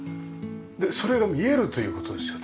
でそれが見えるという事ですよね。